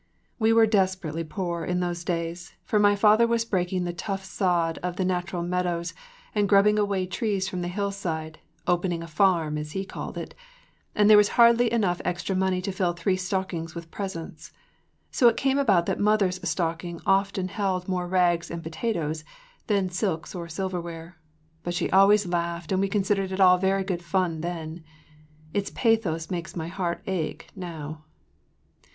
We were desperately poor in those days, for my father was breaking the tough sod of the natural meadows and grubbing away trees from the hillside, “opening a farm,” as he called it, and there was hardly enough extra money to fill three stockings with presents. So it came about that mother’s stocking often held more rags and potatoes than silks or silverware. But she always laughed and we considered it all very good fun then. Its pathos makes my heart ache now.